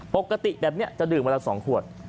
ปกติแบบนี้จะดื่มวันละ๒ขวด